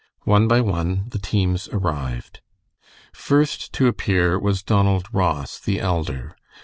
One by one the teams arrived. First to appear was Donald Ross, the elder.